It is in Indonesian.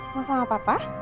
masuk gak apa apa